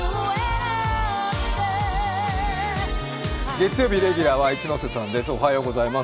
月曜日レギュラーは一ノ瀬さんです。